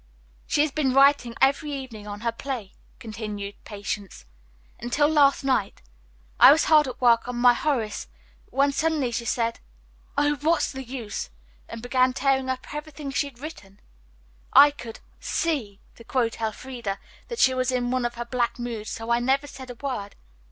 "She has been writing every evening on her play," continued Patience, "until last night. I was hard at work on my Horace, when suddenly she said, 'Oh, what's the use?' and began tearing up everything she'd written. 'I could see,' to quote Elfreda, that she was in one of her black moods, so I never said a word.